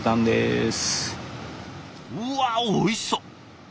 うわおいしそう。